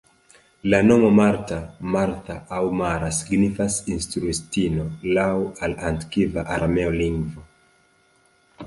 La nomo "Marta", "Martha" aŭ "Mara" signifas "instruistino", laŭ al antikva aramea lingvo.